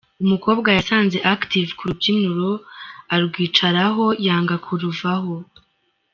Umukobwa yasanze active k'urubyiniro arwicaraho yanga kuruvaho.